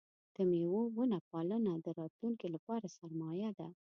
د مېوو ونه پالنه د راتلونکي لپاره سرمایه ده.